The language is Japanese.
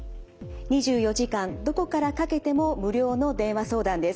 ２４時間どこからかけても無料の電話相談です。